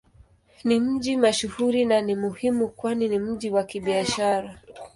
Ni mji mashuhuri na ni muhimu kwani ni mji wa Kibiashara.